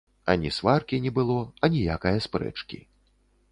Ані сваркі не было, аніякае спрэчкі.